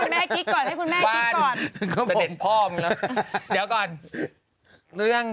ให้คุณแม่กริกก่อนให้คุณแม่กริกก่อน